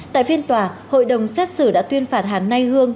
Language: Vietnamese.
tại phiên tòa hội đồng xét xử đã tuyên phạt hàn nay hương